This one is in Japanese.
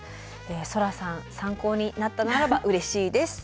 そらさん参考になったならばうれしいです。